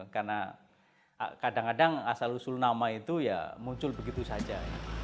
karena kadang kadang asal usul nama itu muncul begitu saja